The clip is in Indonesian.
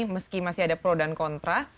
meski masih ada pro dan kontra